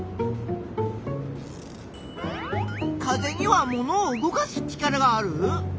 風にはものを動かす力がある？